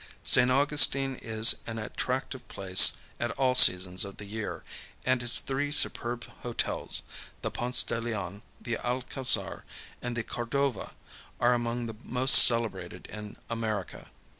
St. Augustine is an attractive place at all seasons of the year, and its three superb hotels—the Ponce de Leon, the Alcazar, and the Cordova—are among the most celebrated in America.